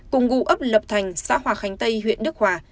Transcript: cùng ngụ ấp lập thành xã hòa khánh tây huyện đức hòa